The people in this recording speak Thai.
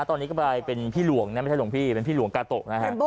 ตอนนี้ก็กลายเป็นพี่หลวงนะไม่ใช่หลวงพี่เป็นพี่หลวงกาโตะนะฮะ